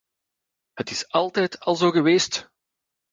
Het is altijd al zo geweest!